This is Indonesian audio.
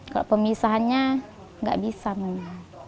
kalau pemisahannya nggak bisa mama